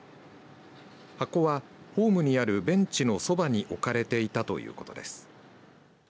箱はホームにあるベンチのそばに置かれていたということです。